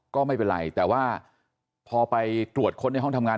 ก็ไม่เป็นไรแต่ว่าพอไปตรวจค้นในห้องทำงาน